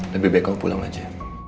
lebih baik kamu pulang aja